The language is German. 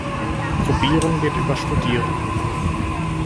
Probieren geht über studieren.